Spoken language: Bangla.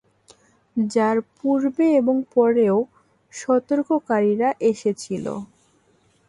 যার পূর্বে এবং পরেও সতর্ককারীরা এসেছিল।